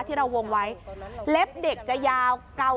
ที่เราวงไว้เล็บเด็กจะยาวเก่า